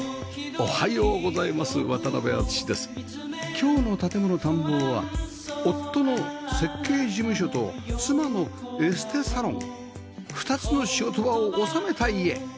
今日の『建もの探訪』は夫の設計事務所と妻のエステサロン２つの仕事場を収めた家